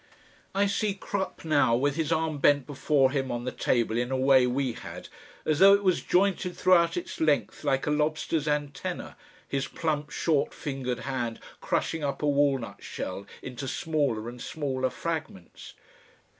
I see Crupp now with his arm bent before him on the table in a way we had, as though it was jointed throughout its length like a lobster's antenna, his plump, short fingered hand crushing up a walnut shell into smaller and smaller fragments.